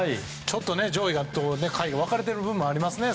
上位と下位が分かれている部分がありますね。